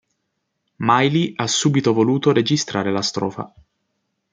Miley ha subito voluto registrare la strofa.